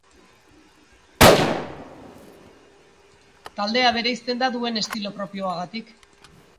Taldea, duen estilo propioagatik bereizten da.